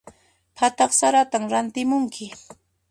Phataq saratan rantimunki.